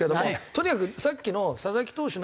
とにかくさっきの佐々木投手